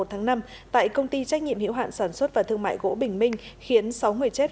một tháng năm tại công ty trách nhiệm hiệu hạn sản xuất và thương mại gỗ bình minh khiến sáu người chết